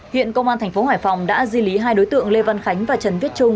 hiện công an tp hải phòng đã di lý hai đối tượng lê văn khánh và trần viết trung